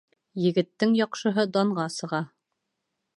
Егеттең яҡшыһы данға сыға.